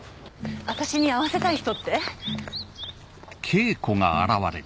私に会わせたい人って？